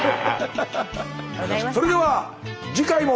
それでは次回も！